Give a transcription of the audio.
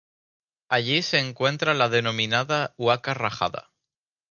Allí se encuentra la denominada Huaca Rajada.